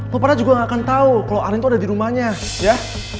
lo pada juga gak akan tau kalau arin tuh ada di rumahnya ya